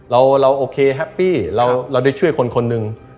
เราโอเคแฮปปี้เราได้ช่วยคนคนหนึ่ง